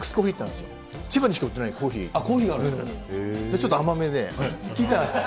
ちょっと甘めで。